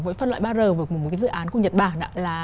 phân loại ba r và một cái dự án của nhật bản